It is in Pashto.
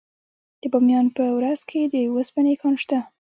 د بامیان په ورس کې د وسپنې کان شته.